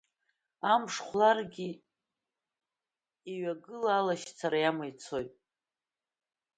Амш хәларгьы иҩагыла, алашьцара иама ицоит.